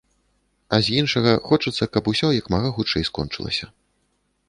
А з іншага, хочацца, каб усё як мага хутчэй скончылася.